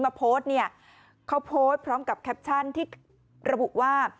มาโพสต์เนี่ยเขาโพสต์พร้อมกับแคปชั่นที่ระบุว่า